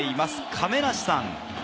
亀梨さん！